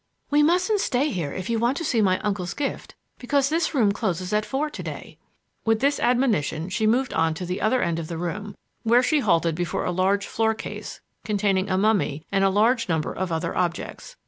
"We mustn't stay here if you want to see my uncle's gift, because this room closes at four to day." With this admonition she moved on to the other end of the room, where she halted before a large floor case containing a mummy and a large number of other objects.